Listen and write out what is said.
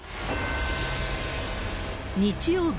日曜日、